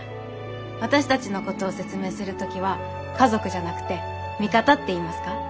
私たちのことを説明する時は「家族」じゃなくて「味方」って言いますか。